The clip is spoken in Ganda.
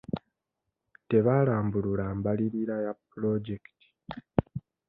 Tebaalambulula mbalirira ya pulojekiti.